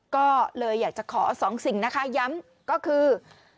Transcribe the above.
ก็เลยอยากจะขอสองสิ่งนะคะย้ำก็คือ